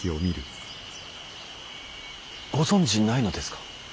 ご存じないのですか。